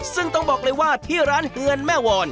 ซึ่งต้องบอกเลยว่าที่ร้านเฮือนแม่วร